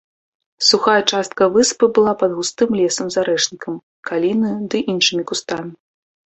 Сухая частка выспы была пад густым лесам з арэшнікам, калінаю ды іншымі кустамі.